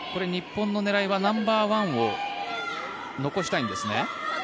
日本の狙いはナンバーワンを残したいんですね。